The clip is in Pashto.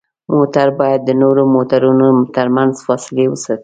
موټر باید د نورو موټرونو ترمنځ فاصلې وساتي.